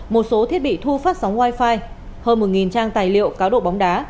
một số thiết bị thu phát sóng wifi hơn một trang tài liệu cáo độ bóng đá